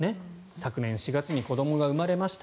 昨年４月に子どもが生まれました